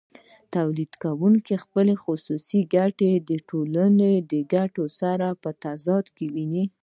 تولیدونکی خپلې خصوصي ګټې له ټولنیزو ګټو سره په تضاد کې ویني